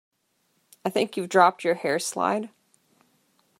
I think you’ve dropped your hair slide